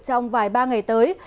trong vài ba ngày tới